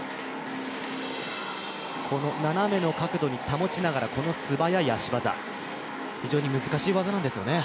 この斜めの角度に保ちながら、素早い足技、非常に難しい技なんですよね。